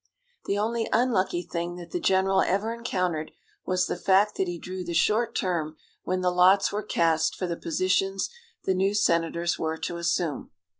The only unlucky thing that the general ever encountered was the fact that he drew the short term when the lots were cast for the positions the new senators were to assume.